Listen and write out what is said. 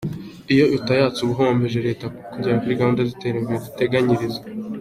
Iyo utayatse uba uhombeje leta kugera kuri gahunda z’iterambere iduteganyiriza.